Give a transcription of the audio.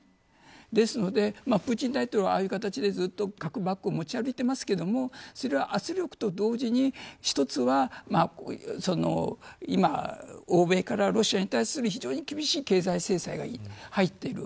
ですので、プーチン大統領はああいう形でずっと核バッグを持ち歩いていますがそれは圧力と同時に、一つは今、欧米からロシアに対する非常に厳しい経済制裁が入っている。